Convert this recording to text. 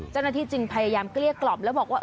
เจ้าหน้าที่จึงพยายามเกลี้ยกล่อมแล้วบอกว่า